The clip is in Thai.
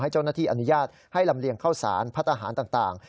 เจ้าหน้าที่อนุญาตให้ลำเลียงเข้าสารพัฒนาหารต่าง